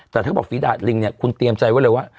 แต่ถ้าเขาบอกฝีดาดลิงเนี่ยคุณเตรียมใจไว้เลยว่า